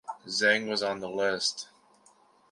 Zheng was on the list.